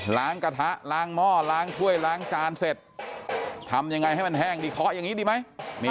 กระทะล้างหม้อล้างถ้วยล้างจานเสร็จทำยังไงให้มันแห้งดีเคาะอย่างนี้ดีไหม